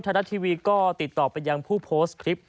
รัฐทีวีก็ติดต่อไปยังผู้โพสต์คลิป